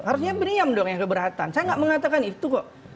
harusnya miriam dong yang keberatan saya nggak mengatakan itu kok